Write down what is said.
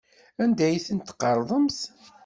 Anda ay ten-tqerḍemt?